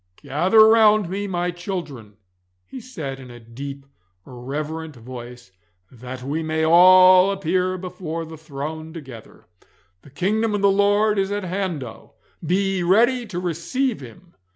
'Gather round me, my children,' he said, in a deep reverent voice, 'that we may all appear before the throne together. The kingdom of the Lord is at hand oh, be ye ready to receive Him!